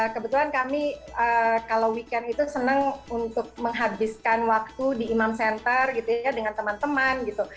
kebetulan kami kalau weekend itu senang untuk menghabiskan waktu di imam center gitu ya dengan teman teman gitu